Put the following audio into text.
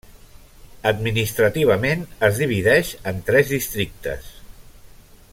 Administrativament, es divideix en tres districtes: